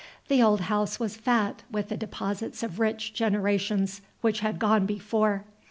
The old house was fat with the deposits of rich generations which had gone before.